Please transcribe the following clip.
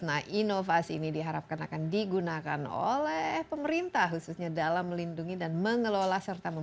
nah inovasi ini diharapkan akan digunakan oleh pemerintah khususnya dalam melindungi dan menggabungkan lahan gambut secara ekosistem